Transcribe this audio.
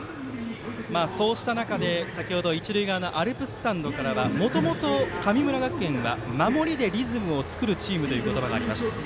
そうした中で先ほど一塁側のアルプススタンドからはもともと神村学園は守りでリズムを作るチームという言葉がありました。